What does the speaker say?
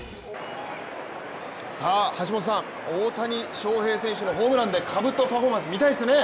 さあ橋本さん、大谷翔平選手のホームランでかぶとパフォーマンス見たいですよね。